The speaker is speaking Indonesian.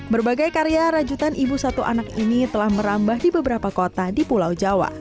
berbagai karya rajutan ibu satu anak ini telah merambah di beberapa kota di pulau jawa